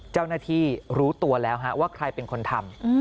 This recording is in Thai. เจ้าหน้าที่รู้ตัวแล้วว่าใครเป็นคนทำ